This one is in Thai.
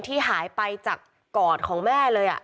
ที่หายไปจากกอดของแม่เลย